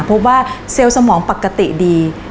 ว่าเซลล์สมองปกติดี